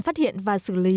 phát hiện và xử lý